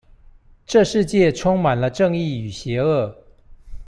這世界充滿了正義與邪惡